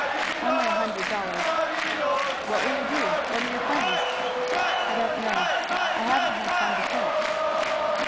"Only a hundred dollars." "What will you do? What are your plans?" "I don't know. I haven't had time to think."